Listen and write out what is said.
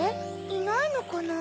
いないのかな？